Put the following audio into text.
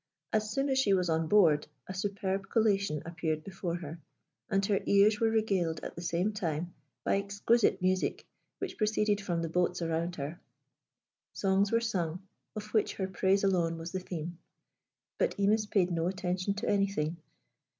As soon as she was on board, a superb collation appeared before her, and her ears were regaled at the same time by exquisite music which proceeded from the boats around her. Songs were sung, of which her praise alone was the theme. But Imis paid no attention to anything.